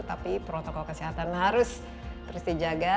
tapi protokol kesehatan harus terus dijaga